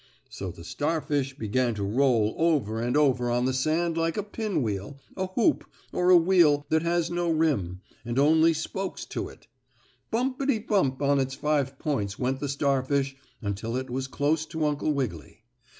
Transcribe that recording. So the starfish began to roll over and over on the sand like a pinwheel, a hoop, or a wheel that has no rim, and only spokes to it. Bumpity bump on its five points went the starfish, until it was close to Uncle Wiggily.